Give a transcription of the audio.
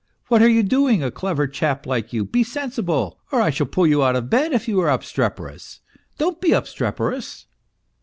What are you doing, a clever chap like you ? Be sensible, or I shall pull you out of bed if you are obstreperous. Don't be obstreperous